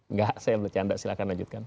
enggak saya bercanda silahkan lanjutkan